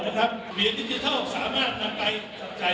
จากราคาที่อยู่ในรัศนีร์๔กิโลเมตร